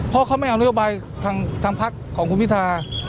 เพราะเขาไม่เอานโยบายทางพักของคุณพิธา